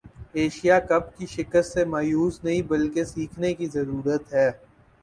Asia cup کی شکست سے مایوس نہیں بلکہ سیکھنے کی ضرورت ہے